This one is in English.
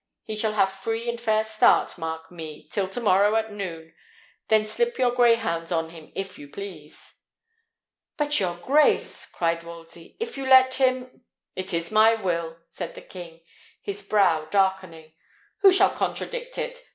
He shall have free and fair start, mark me, till tomorrow at noon; then slip your greyhounds on him, if you please." "But, your grace," cried Wolsey, "if you let him " "It is my will," said the king, his brow darkening. "Who shall contradict it?